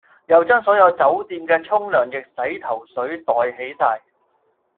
又將所有酒店既沖涼液洗頭水袋起哂